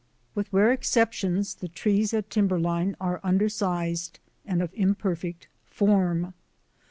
With rare exceptions the trees at timberline are undersized and of imperfect form.